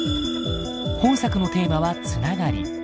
本作のテーマは「繋がり」。